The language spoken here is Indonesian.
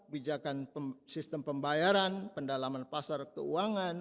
bijakan sistem pembayaran pendalaman pasar keuangan